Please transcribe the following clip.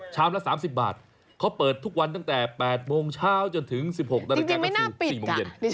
จริงไม่น่าปิดกันที่จะถูก